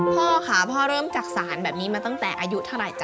พ่อค่ะพ่อเริ่มจักษานแบบนี้มาตั้งแต่อายุเท่าไหร่จ๊